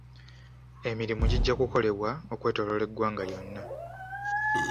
Emirimu gijja kukolebwa okwetooloola eggwanga lyonna.